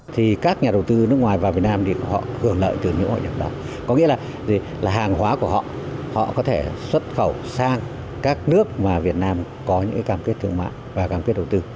thì các nhà đầu tư nước ngoài vào việt nam thì họ hưởng lợi từ những hội nhập đó có nghĩa là hàng hóa của họ họ có thể xuất khẩu sang các nước mà việt nam có những cam kết thương mại và cam kết đầu tư